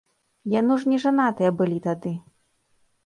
Яно ж нежанатыя былі тады?